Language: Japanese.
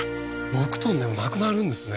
６ｔでもなくなるんですね